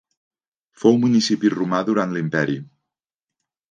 Fou municipi romà durant l'imperi.